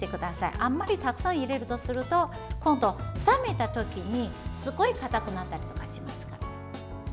あまりたくさん入れると今度、冷めた時にすごい硬くなったりしますから。